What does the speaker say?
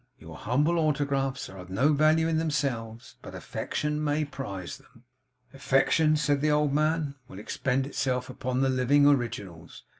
Your humble autographs are of no value in themselves, but affection may prize them.' 'Affection,' said the old man, 'will expend itself on the living originals.